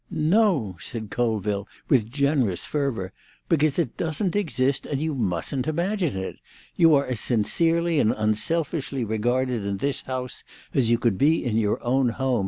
"No!" said Colville, with generous fervour. "Because it doesn't exist and you mustn't imagine it. You are as sincerely and unselfishly regarded in this house as you could be in your own home.